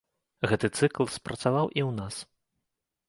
Гэты цыкл спрацаваў і ў нас.